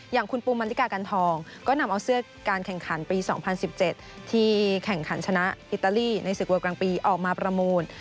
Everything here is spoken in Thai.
อย่างคุณปูมันติกากันทองก็นำเอาเสื้อการแข่งขันปี๒๐๑๗ที่แข่งขันชนะอิตาลีในศึกเวอร์กลางปีออกมาประมูล